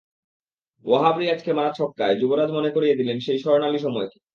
ওয়াহাব রিয়াজকে মারা ছক্কায় যুবরাজ মনে করিয়ে দিলেন সেই স্বর্ণালি সময়কে।